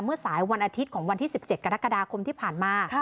สายวันอาทิตย์ของวันที่๑๗กรกฎาคมที่ผ่านมา